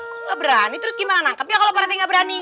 kok gak berani terus gimana nangkapnya kalau pak rete gak berani